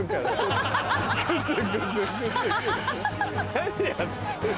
何やってんの？